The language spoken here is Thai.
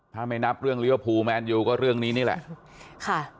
ถ้าไม่นับเรื่องลิเวอร์พูลแมนยูก็เรื่องนี้นี่แหละค่ะ